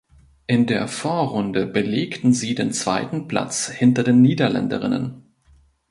In der Vorrunde belegten sie den zweiten Platz hinter den Niederländerinnen.